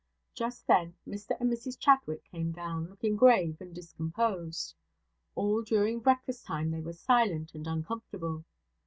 Just then Mr and Mrs Chadwick came down, looking grave and discomposed. All during breakfast time they were silent and uncomfortable.